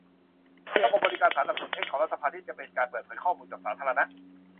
ระบบบริการสารสนเทศของรัฐสภาที่จะเป็นการเปิดเผยข้อมูลกับสาธารณะ